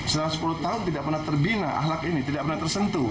setelah sepuluh tahun tidak pernah terbina ahlak ini tidak pernah tersentuh